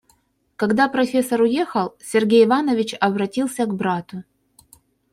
Когда профессор уехал, Сергей Иванович обратился к брату.